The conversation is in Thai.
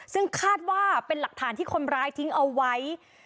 ซึ่งคาดว่าเป็นหลักฐานที่คนร้ายทิ้งเอาไว้